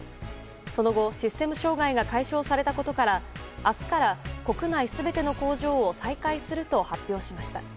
その後、システム障害が解消されたことから明日から国内全ての工場を再開すると発表しました。